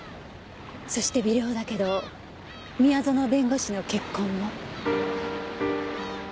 そして微量だけど宮園弁護士の血痕も。